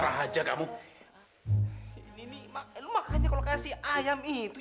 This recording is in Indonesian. lu makan aja kalo kasih ayam itu